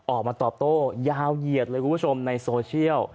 ออกมาตอบโต้ยาวเหยียดเลยคุณผู้ชมในโซเชียล